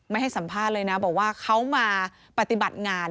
ให้สัมภาษณ์เลยนะบอกว่าเขามาปฏิบัติงาน